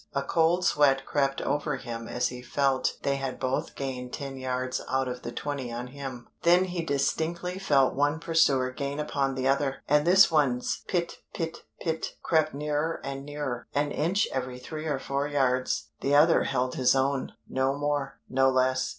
A cold sweat crept over him as he felt they had both gained ten yards out of the twenty on him; then he distinctly felt one pursuer gain upon the other, and this one's pit pit pit crept nearer and nearer, an inch every three or four yards; the other held his own no more no less.